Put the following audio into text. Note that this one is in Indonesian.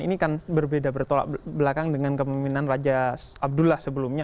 ini kan berbeda bertolak belakang dengan kepemimpinan raja abdullah sebelumnya